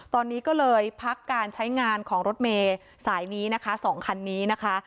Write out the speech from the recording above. ตอนนี้ก็เลยพักการใช้งานของรถเมย์สายนี้นะคะ๒คันนี้นะคะ